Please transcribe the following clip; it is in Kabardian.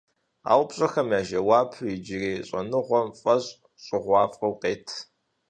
А упщӀэхэм я жэуапыр иджырей щӀэныгъэм фӀэщ щӀыгъуафӀэу къет.